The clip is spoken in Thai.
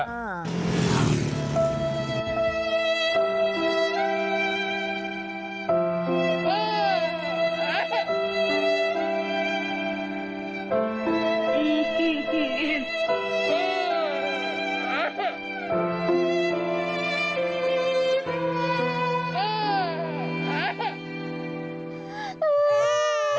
ฮีฮ้า